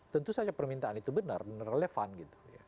tentu saja permintaan itu benar benar relevan gitu